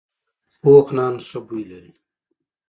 پوخ نان ښه بوی لري